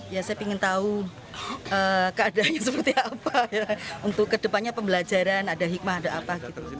ya saya ingin tahu keadaannya seperti apa untuk kedepannya pembelajaran ada hikmah ada apa gitu